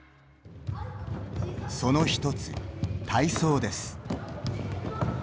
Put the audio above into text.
その１つ、体操です。